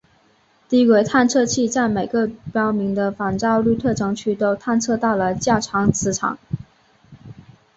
低轨探测器在每个标明的反照率特征区都探测到了较强磁场。